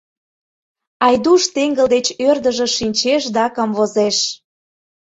Айдуш теҥгыл деч ӧрдыжыш шинчеш да камвозеш.